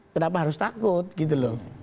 kenapa harus takut gitu loh